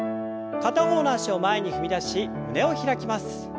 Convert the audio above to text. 片方の脚を前に踏み出し胸を開きます。